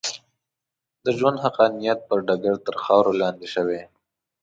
د ژوند حقانیت پر ډګر تر خاورو لاندې شوې.